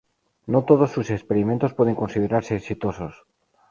No todos sus experimentos pueden considerarse exitosos.